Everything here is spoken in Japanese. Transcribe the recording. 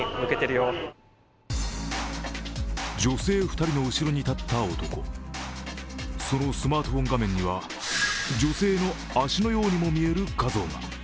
女性２人の後ろに立った男、そのスマートフォン画面には女性の足のようにも見える画像が。